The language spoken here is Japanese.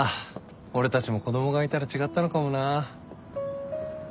俺たちも子供がいたら違ったのかもな。